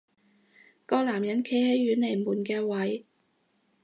個男人企喺遠離門嘅位